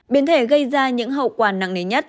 biến thể gây ra những hậu quả nặng nề nhất